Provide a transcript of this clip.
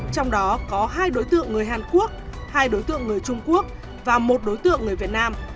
trong đó có hai đối tượng người hàn quốc hai đối tượng người trung quốc và một đối tượng người việt nam